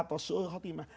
atau sulh khatimah